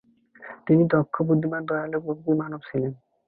তিনি দক্ষ, বুদ্ধিমান, দয়ালু প্রকৃতির মানব ছিলেন।